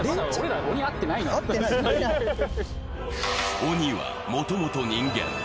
鬼はもともと人間。